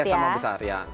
tiga sama besar ya